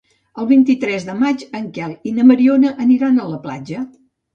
El vint-i-tres de maig en Quel i na Mariona aniran a la platja.